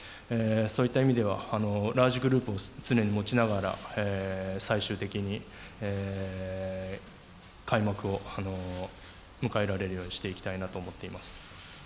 そういった意味では、ラージグループを常に持ちながら、最終的に開幕を迎えられるようにしていきたいなと思っております。